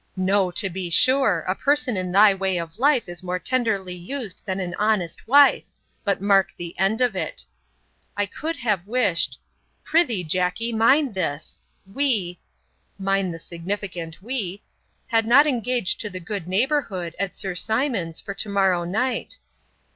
'No, to be sure!—A person in thy way of life, is more tenderly used than an honest wife. But mark the end of it!'—I could have wished—'Pr'ythee, Jackey, mind this,'—we—'mind the significant we,'—had not engaged to the good neighbourhood, at Sir Simon's, for to morrow night.